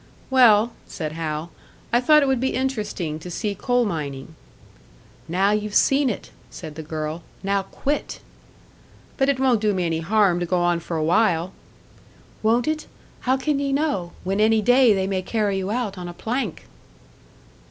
"Well," said Hal, "I thought it would be interesting to see coal mining." "Now ye've seen it," said the girl "now quit!" "But it won't do me any harm to go on for a while!" "Won't it? How can ye know? When any day they may carry you out on a plank!"